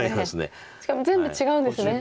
しかも全部違うんですね。